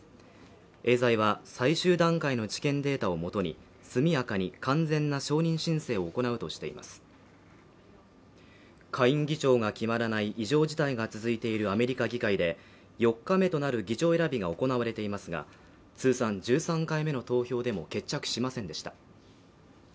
エーザイは最終段階の治験データをもとに速やかに完全な承認申請を行うとしています下院議長が決まらない異常事態が続いているアメリカ議会で４日目となる議長選びが行われていますが通算１３回目の投票でも決着しませんでした